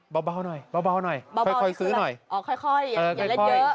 เบาเบาหน่อยเบาเบาหน่อยค่อยค่อยซื้อหน่อยอ๋อค่อยค่อยอย่าเล่นเยอะ